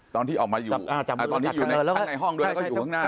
ตอนที่ออกมาอยู่ตอนนี้อยู่ข้างในห้องด้วยแล้วก็อยู่ข้างหน้า